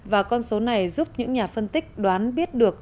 và con số này giúp những nhà phân tích đoán biết được